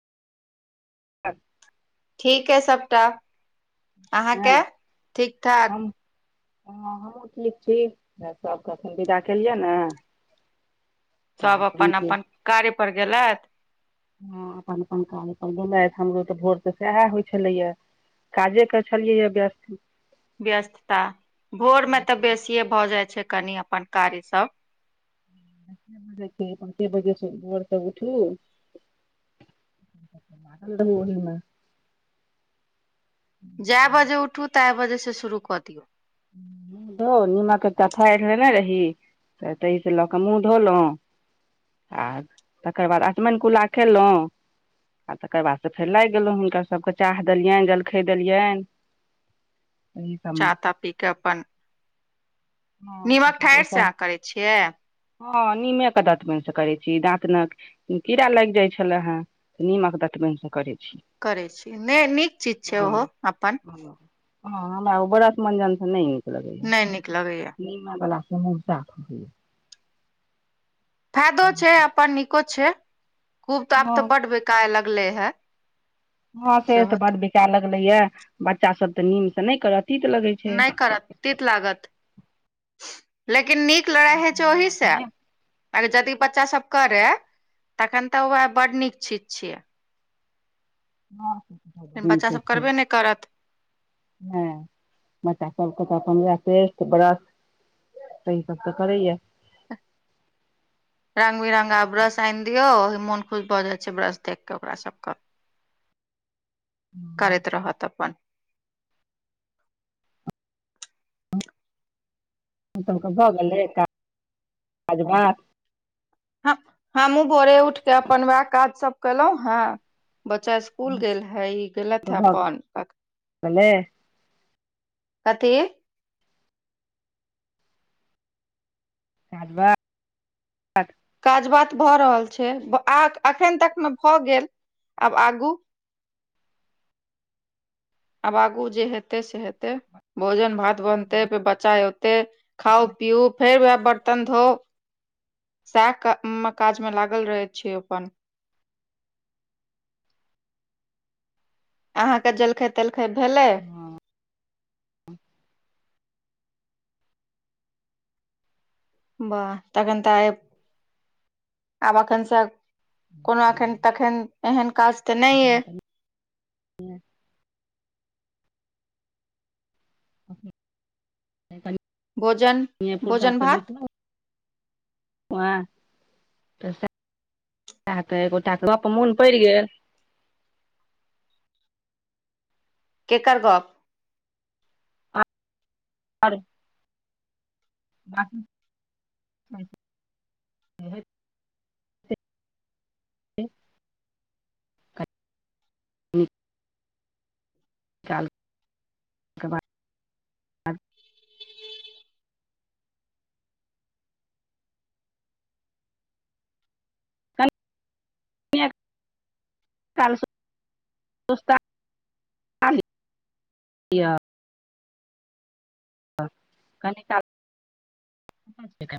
[unintelligible] ठीक है सबटा अहाँके हम ठीक ठाक। हँ हमूँ ठीक छी सबके एखन विदा केलियै ने। तऽ सब अपन के अपन कार्य पर गेलथि। हँ अपन अपन काज अपन घुमथि हमरो तऽ भोर तऽ सएह होइ छलैया। काजे कर छलियै व्यस्त। व्यस्तता भोर मे तऽ बेसिये भऽ जाइ छैय कनि अपन कार्य सब। जते उते बजे के भोर के उठलू। [unintelligible] जाय बजे उठू ताय बजे से शुरू कऽ दियौ। धोव निमक एकटा फारि लेले रही। एतेयसँ लऽ कऽ मुँह धोलहुँ। आ तकर बाद अचमन कुल्ला केलहुँ। आ तकर बाद से फेर लागि गेलहुँ हुनका सभकेँ चाह देलियनि जलखै देलियनि। एहि सभमे चाह ताह पी के अपन हँ तकर नीमक बाद ठैढ़ से ओसभ अहाँ करै छियै। हँ नीमे के दाँतबनि से करै छी दाँतनक कीड़ा लागि जाइत छलै हेँ नीमक ततबनिसँ करैत छी। करै छी नहि नीक चीज छै ओहो अपन ह हमरा ओ बड़ा मंजन से नहि नीक लगे। नहि निकल ग य म नहि माला छै न जााो हए [unintelligible] फायदो छै अपन नीको छै खूब तऽ आब तऽ हँ बड बेकाराय लगले हे। हँं से तऽ सेहो बड़ बिकाय लगले ये बच्चा सब ते नीम से नहि करत। तीत लगै छै नहि करत तीित लागत लेकिन नीक लड़इ होइ छै लेकिन हम ओहि से अपने आ यदि बच्चा सब करे तखन तऽ उह बड्ड नीक चीज छियै। हँ लेकिन बच्चासभ करबे नहि करत। हँ बच्चा सबके तऽ अपन पेस्ट ब्रश सही सब तऽ करैय। रंग बििरंगग आ ब्रश आनि दियऔ ओहि मोन खुश भऽ जाइ छै ब्रश देख के ओकरा सबके करैत रहत अपन। सभके भऽ गेलै [unintelligible] कभात ह हमहु भोरे उठके अपन वएह काज सब केलहुं हँ बच्चास कुल गेल हे ई गत हे अपन भेलल कथेक चबा काज बात भऽ रहल छै आ अखन तक मे भऽ गेल आब आगू आब आगू जे हेतै से हेतै भोजन भात बनतै फेर बच्चा अयोतै खाउ पिउ फेर वएह बर्तन धो सएह काज मे लागल रहैत छै अपन अहाँके जलखै तेलखै भेलै? बाह तखन तऽ आयब [unintelligible] आबखनस कोनो एखन तखन एहन काज तऽ नहि अ ह भोजन फुरसत भोजन भात वाह तऽ स सएऽ एकोटाके गप मोन पड़ि गेल। केकर गप आर बाकी [inaudible] ह्म चल [unintelligible] के बाद ह त [unintelligible] काल स य कनििक [unintelligible]